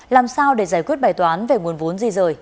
làm sao để giải quyết bài toán về nguồn vốn di rời